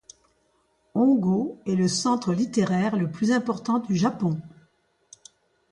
Hongō est le centre littéraire le plus important du Japon.